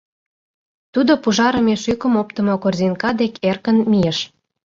Тудо пужарыме шӱкым оптымо корзинка дек эркын мийыш.